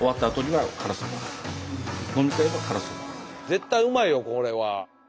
絶対うまいよこれは。